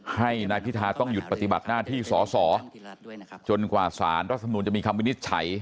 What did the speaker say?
ให้นายพิทาต้องหยุดปฏิบัติหน้าที่สอสอจนกว่าสารรัฐมนุนจะมีคำวินิจฉัย